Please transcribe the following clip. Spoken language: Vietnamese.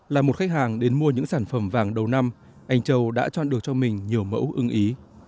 là một khách hàng đến mua những sản phẩm vàng đầu năm anh châu đã chọn được cho mình nhiều mẫu ưng ý